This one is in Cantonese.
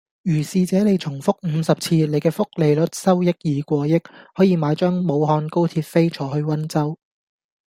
如是這你重複五十次，你既複利率收益已過億，可以買張武漢高鐵飛坐去溫州